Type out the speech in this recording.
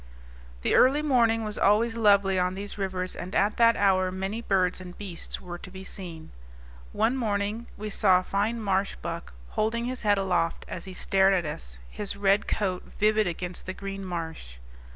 The early morning was always lovely on these rivers, and at that hour many birds and beasts were to be seen. One morning we saw a fine marsh buck, holding his head aloft as he stared at us, his red coat vivid against the green marsh.